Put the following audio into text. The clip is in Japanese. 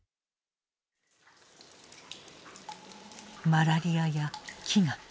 マラリアや飢餓。